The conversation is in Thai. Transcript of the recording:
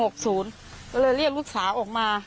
ก็เลยเรียกลูกสาวออกมา